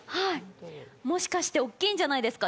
もしかして、大きいんじゃないですか。